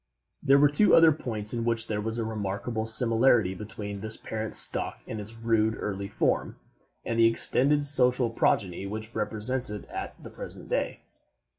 There were two other points in which there was a remarkable similarity between this parent stock in its rude, early form, and the extended social progeny which represents it at the present day.